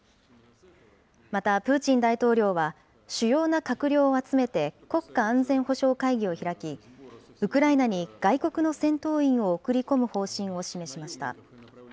またプーチン大統領は主要な閣僚を集めて、国家安全保障会議を開き、ウクライナに外国の戦闘員を送り込む方針を示しました。